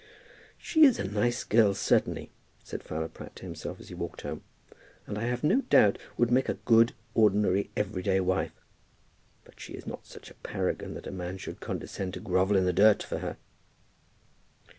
"She is a nice girl, certainly," said Fowler Pratt to himself, as he walked home, "and I have no doubt would make a good, ordinary, everyday wife. But she is not such a paragon that a man should condescend to grovel in the dirt for her."